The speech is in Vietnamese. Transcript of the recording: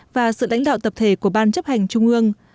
và sự lãnh đạo tập thể của ban chấp hành trung ương